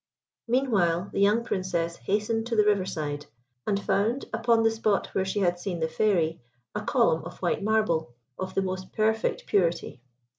Meanwhile, the young Princess hastened to the riverside, and found upon the spot where she had seen the Fairy, a column of white marble, of the most perfect purity.